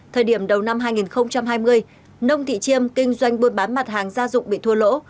thời điểm đầu năm hai nghìn hai mươi nông thị chiêm kinh doanh buôn bán mặt hàng gia dụng bị thua lỗ